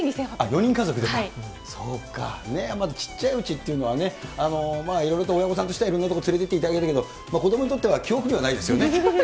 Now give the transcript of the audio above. ４人家族でか、そうか、まだちっちゃいうちというのは、いろいろと親御さんとしてはいろいろと連れていってあげたいけど、子どもにとっては記憶にはないですよね。